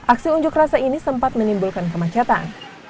aksi unjuk rasa ini sempat menimbulkan kemacetan